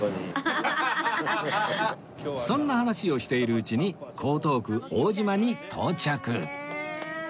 そんな話をしているうちに江東区大島に到着